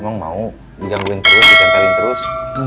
emang mau dijangguin terus ditentelin terus